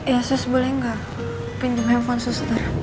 ya sus boleh gak pinjem handphone suster